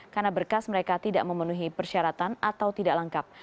karena berkas mereka tidak memenuhi persyaratan atau tidak lengkap